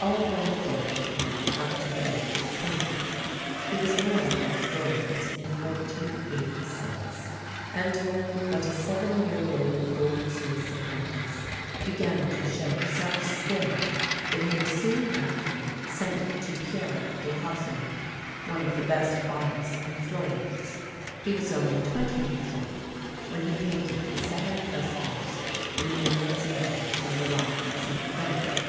All went well with him up to the age of twenty. He was born near Florence in 1486, and when but a seven year old goldsmith's apprentice began to show such skill that he was soon afterward sent to Piero de Cosimo, one of the best artists in Florence. He was only twenty years old when he painted the seven frescos in the Annunziata from the life of Saint Philip.